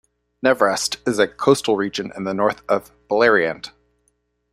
Nevrast is a coastal region in the north of Beleriand.